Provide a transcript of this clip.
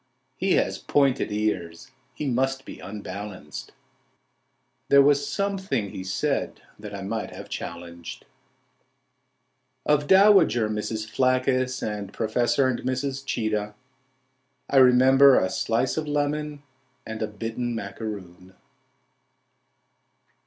"— "His pointed ears... He must be unbalanced,"— "There was something he said that I might have challenged." Of dowager Mrs. Phlaccus, and Professor and Mrs. Cheetah I remember a slice of lemon, and a bitten macaroon.